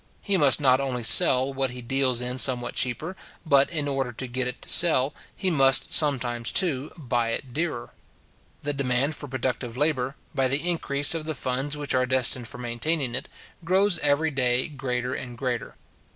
He must not only sell what he deals in somewhat cheaper, but, in order to get it to sell, he must sometimes, too, buy it dearer. The demand for productive labour, by the increase of the funds which are destined for maintaining it, grows every day greater and greater.